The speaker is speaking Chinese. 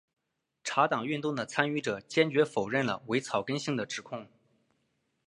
茶党运动的参与者坚决否认了伪草根性的指控。